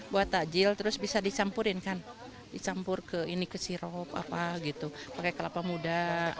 buah takjil terus bisa dicampurkan dicampur ke sirup pakai kelapa muda